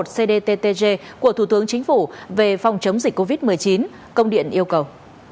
một nghìn tám mươi một cdttg của thủ tướng chính phủ về phòng chống dịch covid một mươi chín công điện yêu cầu